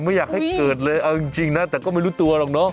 ไม่อยากให้เกิดเลยเอาจริงนะแต่ก็ไม่รู้ตัวหรอกเนอะ